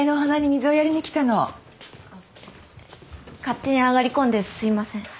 勝手に上がりこんですいません。